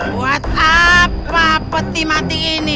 buat apa peti mati ini